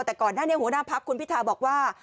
แต่ก่อนหน้านี้หัวหน้าพักคุณพิทาบอกว่า